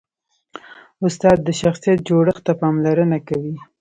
استاد د شخصیت جوړښت ته پاملرنه کوي.